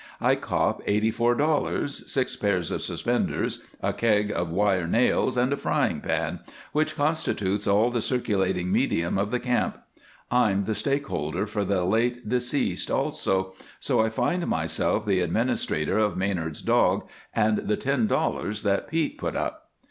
I cop eighty four dollars, six pairs of suspenders, a keg of wire nails, and a frying pan, which constitutes all the circulating medium of the camp. I'm the stakeholder for the late deceased also, so I find myself the administrator of Manard's dog and the ten dollars that Pete put up.